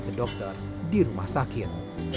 ke dokter di rumah sakit